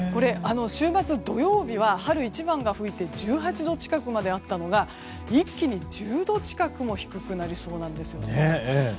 週末土曜日は春一番が吹いて１８度近くまであったのが一気に１０度近くも低くなりそうなんですよね。